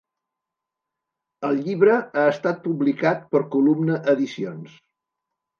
El llibre ha estat publicat per Columna Edicions.